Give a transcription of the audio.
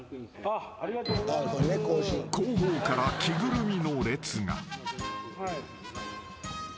［後方から着ぐるみの列が］